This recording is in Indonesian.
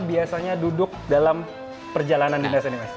biasanya duduk dalam perjalanan dinas ini mas